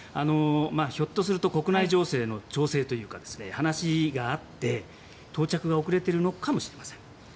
ひょっとすると国内情勢の調整というか話があって到着が遅れているのかもしれません。